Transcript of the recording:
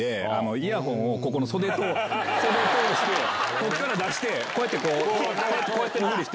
こっから出してこうやってこうやって。